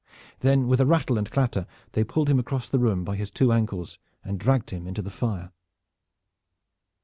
Then with a rattle and clatter they pulled him across the room by his two ankles and dragged him into the fire.